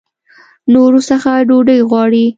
نورو څخه ډوډۍ غواړي.